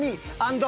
＆